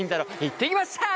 行ってきました。